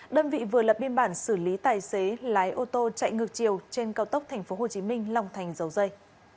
đơn vị vừa lập biên bản xử lý tài xế lái ô tô chạy ngược chiều trên cao tốc tp hcm long thành dầu dây